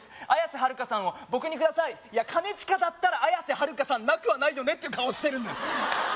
綾瀬はるかさんを僕にくださいいや兼近だったら綾瀬はるかさんなくはないよねって顔してるんだよ